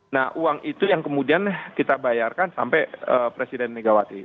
nah uang itu yang kemudian kita bayarkan sampai presiden megawati